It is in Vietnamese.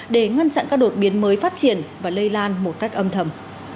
để ngăn chặn các đột biến mới phát triển và lây lan một cách âm thầm